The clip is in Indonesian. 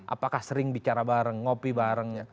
apakah sering bicara bareng ngopi bareng ya